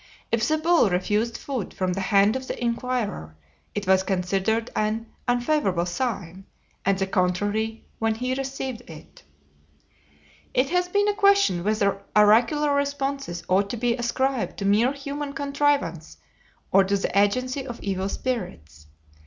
If the bull refused food from the hand of the inquirer it was considered an unfavorable sign, and the contrary when he received it. It has been a question whether oracular responses ought to be ascribed to mere human contrivance or to the agency of evil spirits.